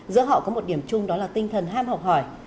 giữa họ có một điểm chung đó là tinh thần ham học hỏi